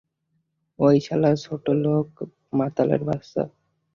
ঐ শালা ছোটলোক মাতালের বাচ্চা!